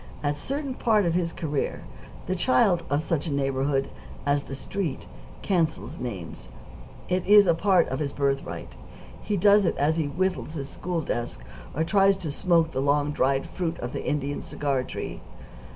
At a certain part of his career, the child of such a neighborhood as the Street "cancels" names. It is a part of his birthright. He does it as he whittles his school desk or tries to smoke the long dried fruit of the Indian cigar tree.